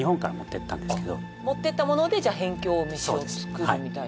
じゃあ持ってったものでじゃあ辺境飯を作るみたいなこと？